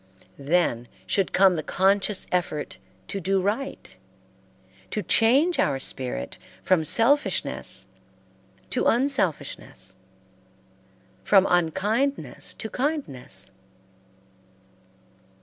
Then should come the conscious effort to do right, to change our spirit from selfishness to unselfishness, from unkindness to kindness.